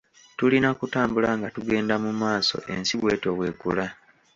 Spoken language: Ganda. Tulina kutambula nga tugenda mumaaso ensi bwetyo bwekula.